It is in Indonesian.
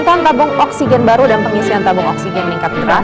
minta tabung oksigen baru dan pengisian tabung oksigen meningkatkan